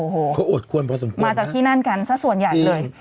เขาอดควรพอสมควรนะครับจริงมาจากที่นั่นกันซะส่วนใหญ่เลย